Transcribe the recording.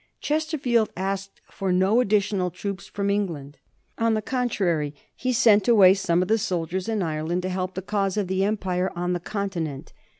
Chesterfield asked for no additional troops from England. On the contrary, he sent away some of the soldiers in Ireland to help the cause of the empire on the Continent.